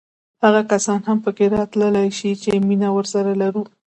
هغه کسان هم پکې راتللی شي چې مینه ورسره لرو.